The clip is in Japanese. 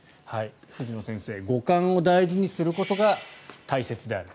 藤野先生、五感を大事にすることが大切である。